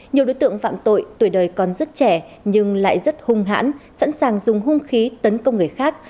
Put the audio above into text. nhiều đối tượng phạm tội tuổi đời còn rất trẻ nhưng lại rất hung hãn sẵn sàng dùng hung khí tấn công người khác